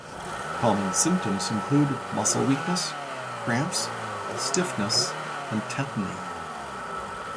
Common symptoms include muscle weakness, cramps, stiffness, and tetany.